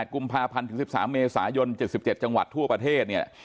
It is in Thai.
กุมภาพันธ์ถึง๑๓เมษายน๗๗จังหวัดทั่วประเทศเนี่ย